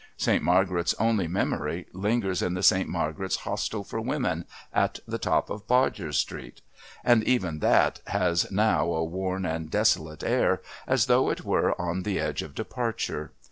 Saint Margaret's only memory lingers in the Saint Margaret's Hostel for Women at the top of Bodger's Street, and even that has now a worn and desolate air as though it also were on the edge of departure.